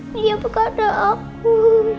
dia berkata aku